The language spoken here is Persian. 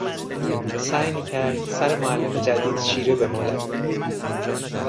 سعی میکرد سر معلم جدید شیره بمالد.